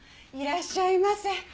いらっしゃいませ。